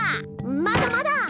まだまだ！